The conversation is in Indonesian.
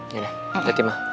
yaudah berhenti ma